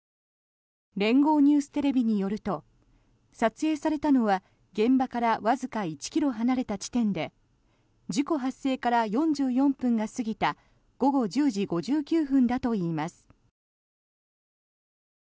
連合ニューステレビによると撮影されたのは現場からわずか１ｋｍ離れた地点で事故発生から４４分が過ぎた午後１０時５９分だといいます。